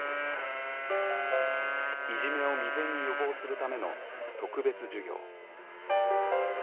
いじめを未然に予防するための特別授業。